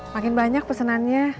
makin banyak pesenannya